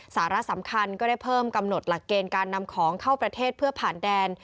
สาระสำคัญก็ได้เพิ่มกำหนดหลักเกณฑ์การนำของเข้าประเทศเพื่อผ่านแดน